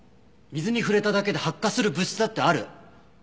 水に触れただけで発火する物質だってある。